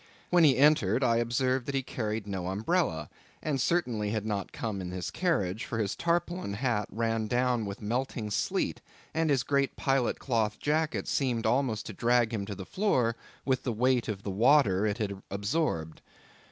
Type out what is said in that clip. When he entered I observed that he carried no umbrella, and certainly had not come in his carriage, for his tarpaulin hat ran down with melting sleet, and his great pilot cloth jacket seemed almost to drag him to the floor with the weight of the water it had absorbed.